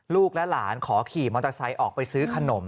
ลูกและหลานขอขี่มอเตอร์ไซค์ออกไปซื้อขนม